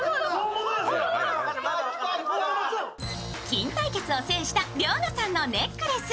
金対決を制した遼河さんのネックレス。